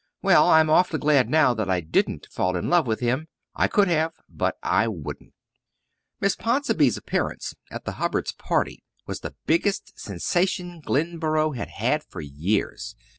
Well, I'm awfully glad now that I didn't fall in love with him. I could have, but I wouldn't." Miss Ponsonby's appearance at the Hubbards' party was the biggest sensation Glenboro had had for years.